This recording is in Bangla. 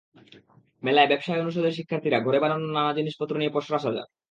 মেলায় ব্যবসায় অনুষদের শিক্ষার্থীরা ঘরে বানানো নানা জিনিসপত্র নিয়ে পসরা সাজান।